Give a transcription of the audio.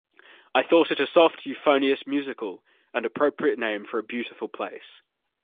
I thought it a soft, euphonious, musical and appropriate name for a beautiful place.